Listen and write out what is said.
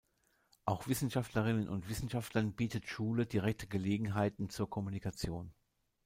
Auch Wissenschaftlerinnen und Wissenschaftlern bietet Schule direkte Gelegenheiten zur Kommunikation.